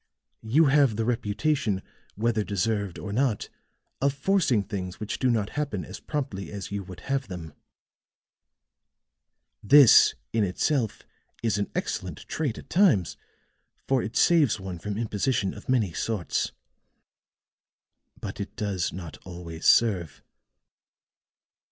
You have the reputation, whether deserved or not, of forcing things which do not happen as promptly as you would have them. This in itself is an excellent trait at times, for it saves one from imposition of many sorts. But it does not always serve."